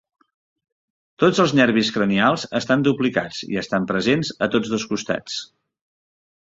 Tots els nervis cranials estan duplicats i estan presents a tots dos costats.